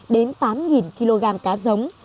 bảy đến tám kg cá giống